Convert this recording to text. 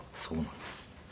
そうなんです。